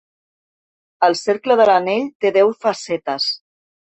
El cercle de l'anell té deu facetes.